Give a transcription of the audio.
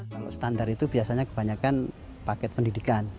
kalau standar itu biasanya kebanyakan paket pendidikan